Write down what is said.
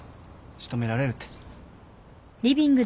仕留められるって。